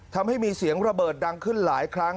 ทำให้มีเสียงระเบิดดังขึ้นหลายครั้ง